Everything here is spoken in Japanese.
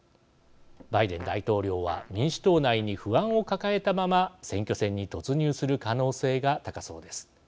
バイデン大統領は民主党内に不安を抱えたまま選挙戦に突入する可能性が高そうです。